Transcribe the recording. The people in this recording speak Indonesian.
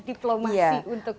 diplomasi untuk keluar dari negara